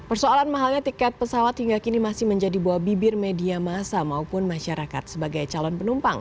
persoalan mahalnya tiket pesawat hingga kini masih menjadi buah bibir media masa maupun masyarakat sebagai calon penumpang